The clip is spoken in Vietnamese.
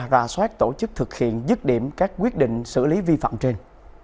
ra soát tổ chức thực hiện dứt điểm các quyết định xử lý vi phạm trên